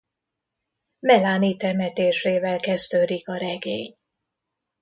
Melanie temetésével kezdődik a regény.